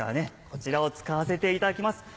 こちらを使わせていただきます。